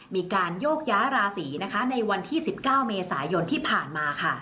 มีการโยกย้ายราศีนะคะในวันที่๑๙เมษายนที่ผ่านมาค่ะ